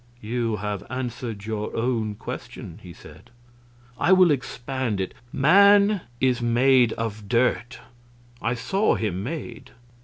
"You have answered your own question," he said. "I will expand it. Man is made of dirt I saw him made.